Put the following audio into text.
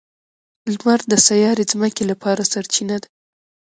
• لمر د سیارې ځمکې لپاره سرچینه ده.